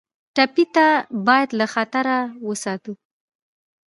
ټپي ته باید له خطره وساتو.